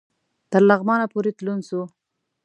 تر لغمانه پوري تلون سو